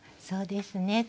そうですね。